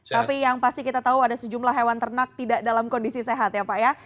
tapi yang pasti kita tahu ada sejumlah hewan ternak tidak dalam kondisi sehat ya pak ya